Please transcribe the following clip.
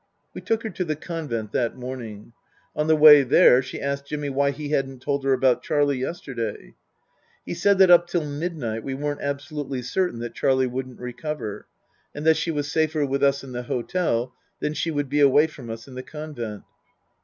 We took her to the convent that morning. On the way there she asked Jimmy why he hadn't told her about Charlie yesterday. He said that up till midnight we weren't absolutely certain that Charlie wouldn't recover, and that she was safer with us in the hotel than she would be away from us in the convent.